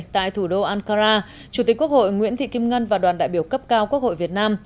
tại thủ đô ankara chủ tịch quốc hội nguyễn thị kim ngân và đoàn đại biểu cấp cao quốc hội việt nam